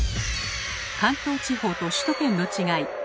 関東地方と首都圏の違い